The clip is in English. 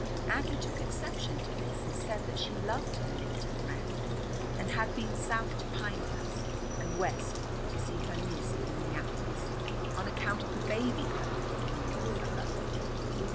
Aggie took exception to this and said that she loved her native land, and had been south to Pinehurst and west to see her niece in Minneapolis, on account of the baby having been named for her.